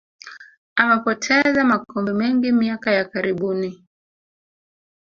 amepoteza makombe mengi miaka ya karibuni